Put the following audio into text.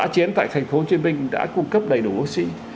chiến tại thành phố hồ chí minh đã cung cấp đầy đủ oxy